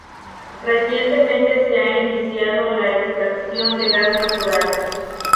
Recientemente se ha iniciado la extracción de gas natural.